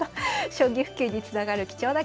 将棋普及につながる貴重な機会。